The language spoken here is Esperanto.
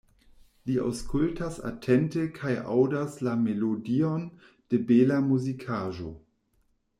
Li aŭskultas atente kaj aŭdas la melodion de bela muzikaĵo.